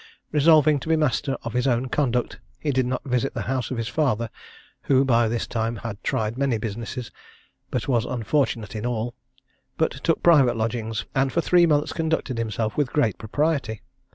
Resolving to be master of his own conduct, he did not visit the house of his father, who by this time had tried many businesses, but was unfortunate in all; but took private lodgings, and for three months conducted himself with great propriety.